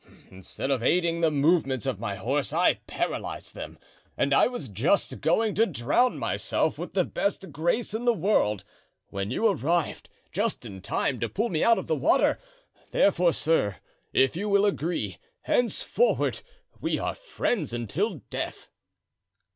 Instead of aiding the movements of my horse, I paralyzed them; and I was just going to drown myself with the best grace in the world, when you arrived just in time to pull me out of the water; therefore, sir, if you will agree, henceforward we are friends until death."